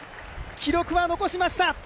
記録は残しました。